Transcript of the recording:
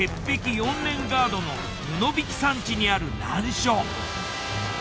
４連ガードの布引山地にある難所。